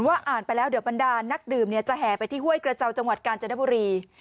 อ่านไปแล้วเดี๋ยวบรรดานักดื่มจะแห่ไปที่ห้วยกระเจ้าจังหวัดกาญจนบุรี